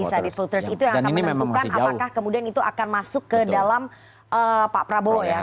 unded voters itu yang akan menentukan apakah kemudian itu akan masuk ke dalam pak prabowo ya